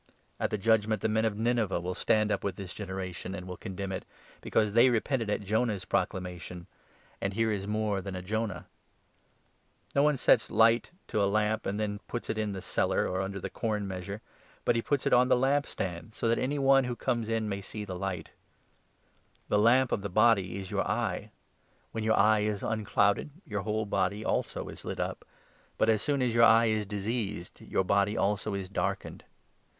At the Judge 32 ment the men of Nineveh will stand up with this generation, and will condemn it, because they repented at Jonah's proclama tion ; and here is more than a Jonah ! No one sets 33 Lesson light to a lamp, and then puts it in the cellar or from a Lamp, under the corn measure, but he puts it on the lamp stand, so that any one who comes in may see the Light and h'ght. The lamp of the body is your eye. 34 Darkness. When your eye is unclouded, your whole body, also, is lit up ; but, as soon as your eye is diseased, your body, also, is darkened.